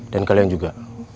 dan kalian juga